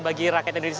bagi rakyat indonesia